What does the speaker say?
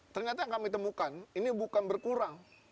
ternyata yang kami temukan ini bukan berkurang